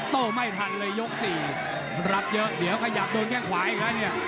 โต้ไม่ทันเลยยก๔รับเยอะเดี๋ยวขยับโดนแค่งขวาอีกแล้วเนี่ย